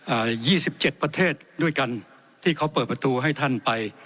ยี่สิบเจ็ดประเทศด้วยกันที่เขาเปิดประตูให้ท่านไป